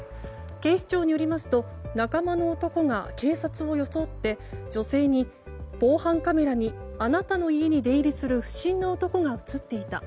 警視庁によりますと仲間の男が警察を装って、女性に防犯カメラにあんたの家に出入りする不審な男が映っていた。